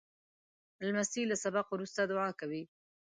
لمسی له سبق وروسته دعا کوي.